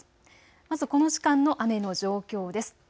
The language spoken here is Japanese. まずこの時間の雨の状況です。